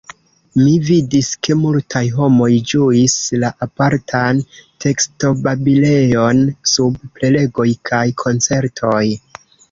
Mi vidis ke multaj homoj ĝuis la apartan tekstobabilejon sub prelegoj kaj koncertoj.